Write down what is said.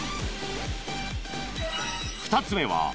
［２つ目は］